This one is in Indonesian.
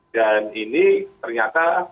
dan ini ternyata